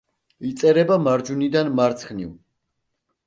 იწერება მარჯვნიდან მარცხნივ.